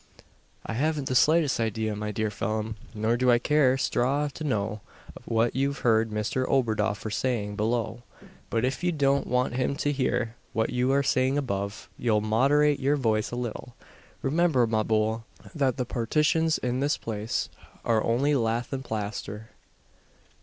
"I hav'n't the slightest idea, my dear Phelim; nor do I care straw to know what you've heard Mr Oberdoffer saying below; but if you don't want him to hear what you are saying above, you'll moderate your voice a little. Remember, ma bohil, that the partitions in this place are only lath and plaster."